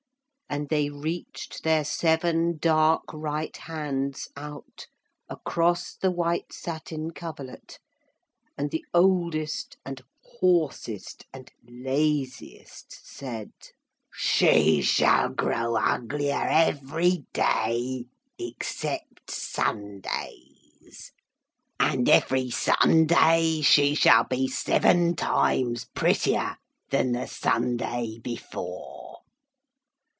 And they reached their seven dark right hands out across the white satin coverlet, and the oldest and hoarsest and laziest said: 'She shall grow uglier every day, except Sundays, and every Sunday she shall be seven times prettier than the Sunday before.'